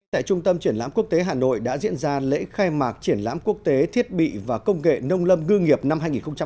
tại trung tâm triển lãm quốc tế hà nội đã diễn ra lễ khai mạc triển lãm quốc tế thiết bị và công nghệ nông lâm ngư nghiệp năm hai nghìn hai mươi